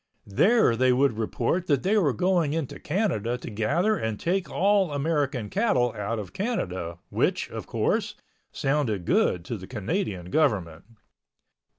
There they would report that they were going into Canada to gather and take all American cattle out of Canada which, of course, sounded good to the Canadian government.